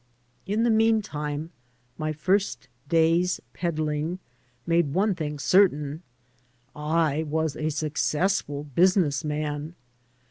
In the mean time my first day's peddling made one thing certain : I was a successful business man.